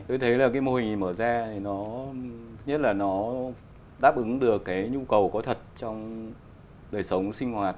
tôi thấy là cái mô hình mở ra thì nó nhất là nó đáp ứng được cái nhu cầu có thật trong đời sống sinh hoạt